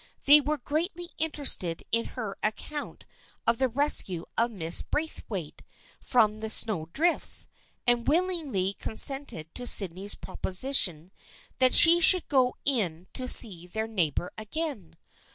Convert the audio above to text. They were greatly interested in her account of the rescue of Mrs. Braithwaite from the snow drifts, and willingly consented to Sydney's proposition that she should go in to see their neighbor again.